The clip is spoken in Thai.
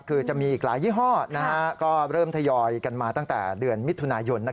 คือจะมีอีกหลายยี่ห้อก็เริ่มทยอยกันมาตั้งแต่เดือนมิถุนายน